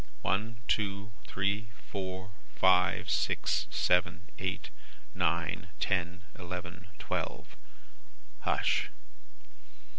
One, two, three, four, five, six, seven, eight, nine, ten, eleven, twelve. Hush!